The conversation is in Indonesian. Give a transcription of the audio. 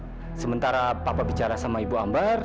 bagaimana cara papa bicara sama ibu ambar